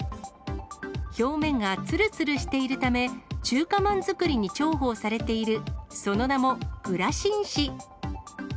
表面がつるつるしているため、中華まん作りに重宝されている、その名も、グラシン紙。